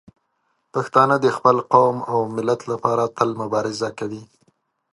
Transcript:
پښتانه د خپل قوم او ملت لپاره تل مبارزه کوي.